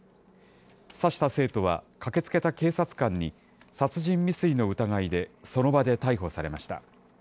刺した生徒は、駆けつけた警察官に、殺人未遂の疑いでその場で逮捕されました。